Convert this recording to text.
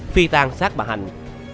phi tan sát bà hạnh